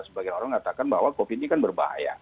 sebagian orang mengatakan bahwa covid ini kan berbahaya